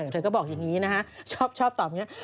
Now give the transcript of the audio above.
เธอก็บอกอย่างนี้นะฮะชอบตอบอย่างนี้